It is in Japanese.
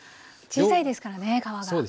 小さいですからね皮が。